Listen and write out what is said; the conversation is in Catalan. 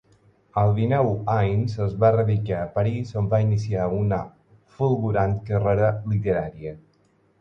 A dinou anys es va radicar a Paris on va iniciar una fulgurant carrera literària.